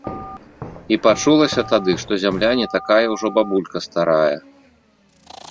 І пачулася тады, што зямля не такая ўжо бабулька старая.